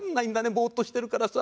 ボーッとしてるからさ。